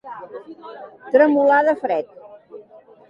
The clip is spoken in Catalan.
Tremolar de fred.